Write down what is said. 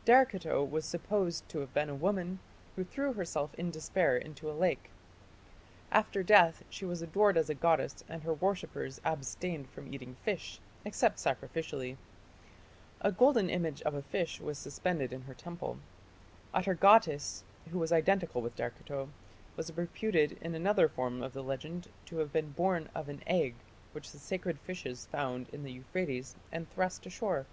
" Derceto was supposed to have been a woman who threw herself in despair into a lake. After death she was adored as a goddess and her worshippers abstained from eating fish, except sacrificially. A golden image of a fish was suspended in her temple. Atargatis, who was identical with Derceto, was reputed in another form of the legend to have been born of an egg which the sacred fishes found in the Euphrates and thrust ashore (p.